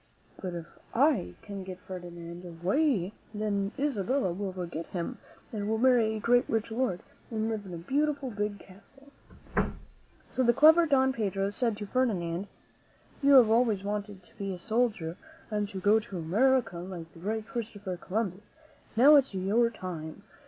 But if I can get Ferdinand away, then Isabella will forget him, and will marry a great, rich lord and live in a beautiful, big castle." So the clever Don Pedro said to Ferdinand, "You have always wanted to be a soldier and go to America like the great Christopher Columbus. Now is your time.